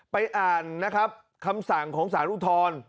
อ่านนะครับคำสั่งของสารอุทธร